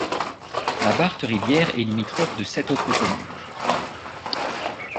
Labarthe-Rivière est limitrophe de sept autres communes.